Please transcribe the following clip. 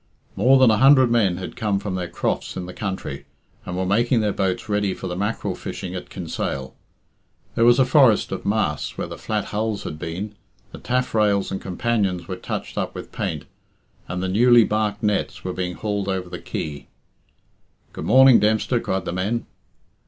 More than a hundred men had come from their crofts in the country, and were making their boats ready for the mackerel fishing at Kinsale. There was a forest of masts where the flat hulls had been, the taffrails and companions were touched up with paint, and the newly barked nets were being hauled over the quay. "Good morning, Dempster," cried the men.